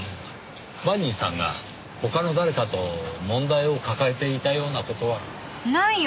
マニーさんが他の誰かと問題を抱えていたような事は？ないよ！